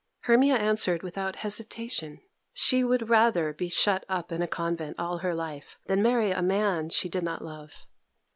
Hermia answered without hesitation: she would rather be shut up in a convent all her life than marry a man she did not love.